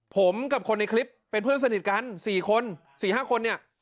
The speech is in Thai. ผมกับคนในคลิปเป็นเพื่อนสนิทกัน๔คน๔๕คนเนี่ย